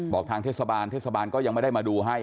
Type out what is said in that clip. บอกทางเทศบาลก็ยังไม่ได้มาดูให้